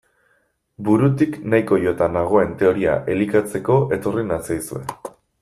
Burutik nahiko jota nagoen teoria elikatzeko etorri natzaizue.